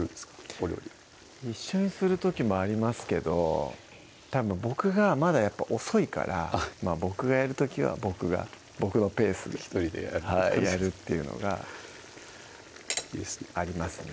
お料理一緒にする時もありますけどたぶん僕がまだやっぱ遅いから僕がやる時は僕が僕のペースで１人でやるって感じはいやるっていうのがいいですねありますね